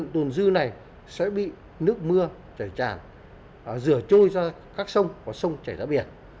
tồn dư này sẽ bị nước mưa chảy tràn rửa trôi ra các sông và sông chảy ra biển